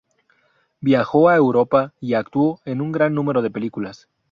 Viajó a Europa y actuó en un gran número de películas.